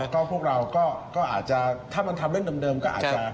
ก็พวกเราก็อาจจะถ้ามันทำเล่นเดิมเดิมค่ะ